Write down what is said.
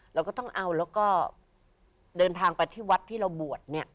เราก็ต้องเอาแล้วก็เดินทางไปที่วัดที่เราบวชเนี่ย